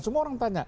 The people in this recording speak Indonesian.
semua orang tanya